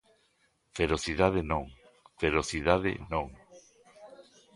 Ferocidade non, ferocidade non.